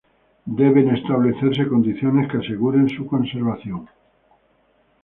Deben establecerse condiciones que aseguren su conservación.